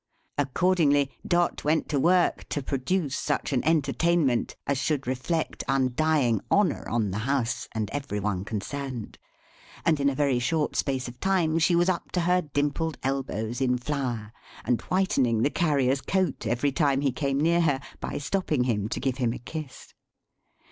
Accordingly, Dot went to work to produce such an entertainment, as should reflect undying honour on the house and every one concerned; and in a very short space of time, she was up to her dimpled elbows in flour, and whitening the Carrier's coat, every time he came near her, by stopping him to give him a kiss.